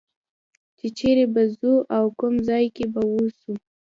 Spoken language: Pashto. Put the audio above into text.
چې چېرې به ځو او کوم ځای کې به اوسو.